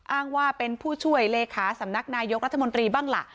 อ้างว่าเป็นผู้ช่วยเลขาสำนักนายกรัฐมนตรีบ้างล่ะ